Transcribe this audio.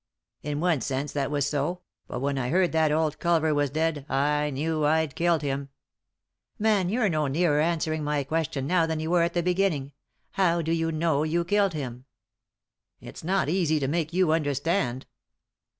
" In one sense that was so ; but when I heard that old Culver was dead I knew I'd killed him." "Man, you're no nearer answering my question now than you were at the beginning. How do you know you killed him ?"" It's not easy to make you understand."